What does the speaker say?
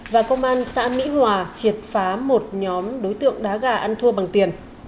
và công an xã mỹ hòa triệt phá một nhóm đối tượng đá gà ăn thua bằng tiền